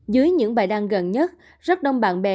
dưới những bài đăng gần nhất rất đông bạn bè